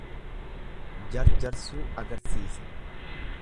Jarjarsuu argisiisa.